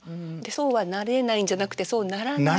そうはなれないんじゃなくて「そうならない」。